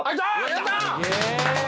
やった！